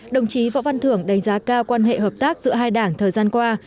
đồng chí võ văn thưởng đánh giá cao quan hệ hợp tác giữa hai đảng thời gian qua